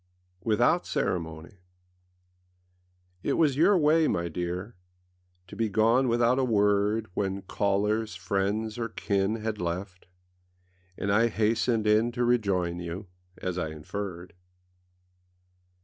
WITHOUT CEREMONY IT was your way, my dear, To be gone without a word When callers, friends, or kin Had left, and I hastened in To rejoin you, as I inferred.